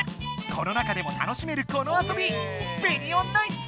コロナ禍でも楽しめるこの遊びベニオナイス！